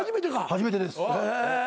初めてです。